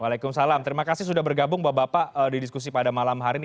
waalaikumsalam terima kasih sudah bergabung bapak bapak di diskusi pada malam hari ini